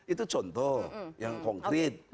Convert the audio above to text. itu contoh yang konkret